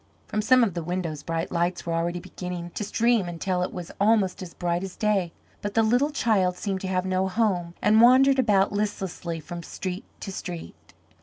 From some of the windows bright lights were already beginning to stream until it was almost as bright as day. But the little child seemed to have no home, and wandered about listlessly from street to street.